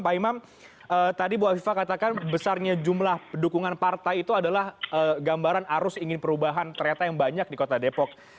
pak imam tadi bu afifa katakan besarnya jumlah dukungan partai itu adalah gambaran arus ingin perubahan ternyata yang banyak di kota depok